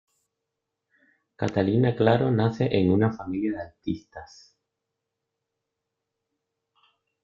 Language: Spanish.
Catalina Claro nace en una familia de artistas.